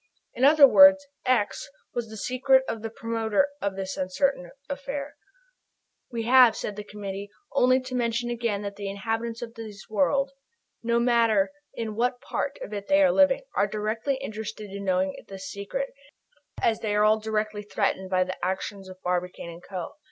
In other words, "x" was the secret of the promoter of this uncertain affair. "We have," said the Committee, "only to mention again that the inhabitants of the world, no matter in what part of it they are living, are directly interested in knowing this secret, as they are all directly t[h]reatened by the actions of Barbicane & Co.